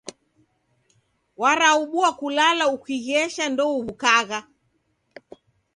Waraobua kulala ukighesha ndouw'ukagha.